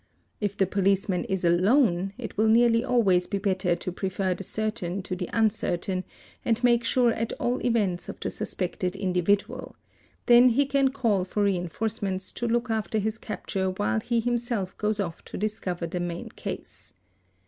If the policeman is alone it will nearly always be better to prefer the certain to the uncertain and make sure at all events of the suspected individual; then be can call for reinforce ments to look after his capture while he himself goes off to discover the main case.